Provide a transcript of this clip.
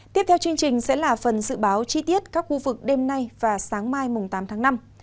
tiếp theo chương trình sẽ là phần dự báo chi tiết các khu vực đêm nay và sáng mai tám tháng năm